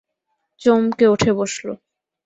চমকে উঠে বসল।